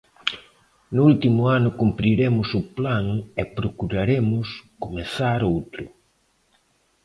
No último ano cumpriremos o plan e procuraremos comezar outro.